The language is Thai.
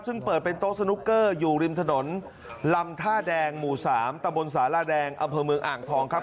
ซึ่งเปิดเป็นโต๊ะสนุกเกอร์อยู่ริมถนนลำท่าแดงหมู่๓ตะบนสาราแดงอำเภอเมืองอ่างทองครับ